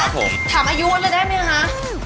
ถามอายุเขาอันเลยได้ไหมคะ